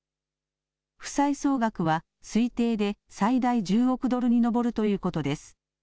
負債総額は推定で最大１０億ドルに上るということです。